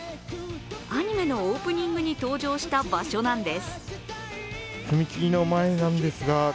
アニメのオープニングに登場した場所なんです。